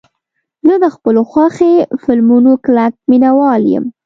زه د خپلو خوښې فلمونو کلک مینهوال یم.